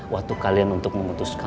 waktu kalian untuk memutuskan